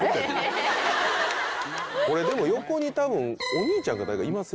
これでも横にたぶんお兄ちゃんか誰かいますよね。